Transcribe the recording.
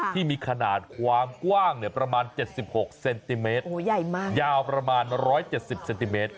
ที่มีขนาดความกว้างประมาณ๗๖เซนติเมตรยาวประมาณ๑๗๐เซนติเมตร